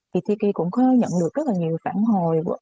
thì tiki cũng có nhận được rất là nhiều phản hồi